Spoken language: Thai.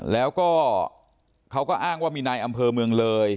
แล้วก็เขาก็อ้างว่ามีนายอำเภอเมืองเลย